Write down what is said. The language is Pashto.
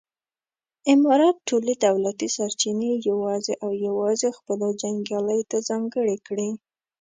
امارت ټولې دولتي سرچینې یوازې او یوازې خپلو جنګیالیو ته ځانګړې کړې.